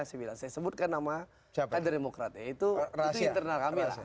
saya sebutkan nama kader demokratnya itu internal kami